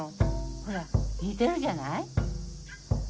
ほら似てるじゃない？